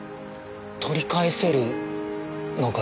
取り返せるのかな？